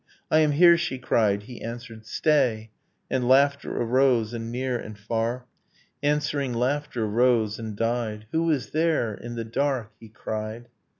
I am here! she cried. He answered 'Stay!' And laughter arose, and near and far Answering laughter rose and died ... Who is there? in the dark? he cried.